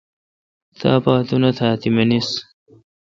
تاپا انت آ تی منیس۔